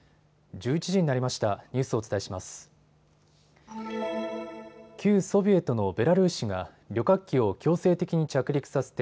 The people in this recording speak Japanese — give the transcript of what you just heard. １１時になりました。